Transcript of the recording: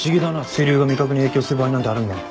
水流が味覚に影響する場合なんてあるんだな。